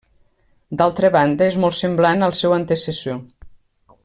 D'altra banda és molt semblant al seu antecessor.